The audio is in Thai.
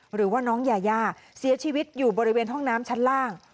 หรือว่าน้องยายาเสียชีวิตอยู่บริเวณห้องน้ำชั้นล่าง